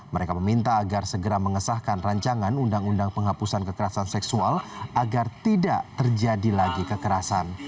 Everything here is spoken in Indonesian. mereka meminta agar segera mengesahkan rancangan undang undang penghapusan kekerasan seksual agar tidak terjadi lagi kekerasan